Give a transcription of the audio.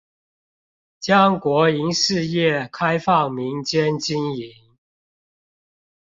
將國營事業開放民間經營